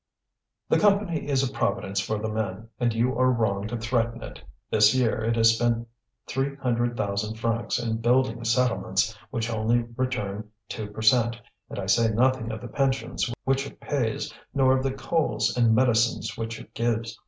"The Company is a Providence for the men, and you are wrong to threaten it. This year it has spent three hundred thousand francs in building settlements which only return two per cent, and I say nothing of the pensions which it pays, nor of the coals and medicines which it gives.